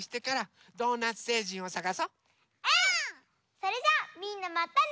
それじゃあみんなまたね！